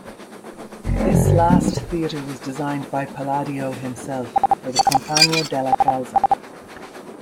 This last theatre was designed by Palladio himself, for the Compagnia della Calza.